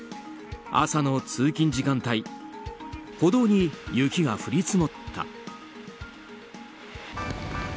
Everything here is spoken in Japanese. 朝の通勤時間帯歩道に雪が降り積もった。